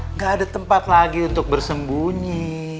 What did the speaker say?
nggak ada tempat lagi untuk bersembunyi